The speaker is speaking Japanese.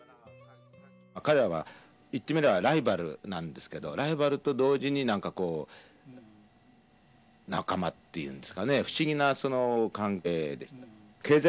彼らは言ってみればライバルなんですけど、ライバルと同時に、なんかこう、仲間っていうんですかね、不思議な関係でした。